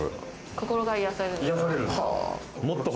心が癒される。